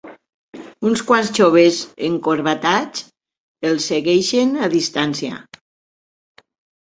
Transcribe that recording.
Uns quants joves encorbatats els segueixen a distància.